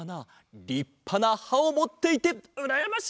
りっぱなはをもっていてうらやましい！